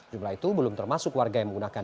jumlah itu belum termasuk warga yang menggunakan